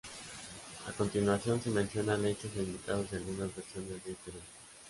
A continuación se mencionan hechos e invitados de algunas versiones de este evento.